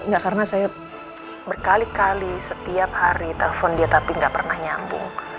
gak karena saya berkali kali setiap hari telfon dia tapi gak pernah nyambung